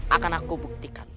akan aku buktikan